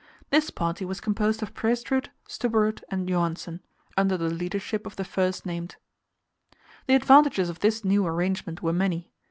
This party was composed of Prestrud, Stubberud, and Johansen, under the leadership of the first named. The advantages of this new arrangement were many.